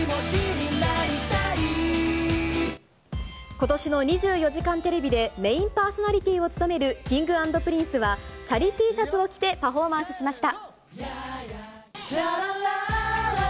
ことしの２４時間テレビでメインパーソナリティーを務めるＫｉｎｇ＆Ｐｒｉｎｃｅは、チャリＴシャツを着てパフォーマンスしました。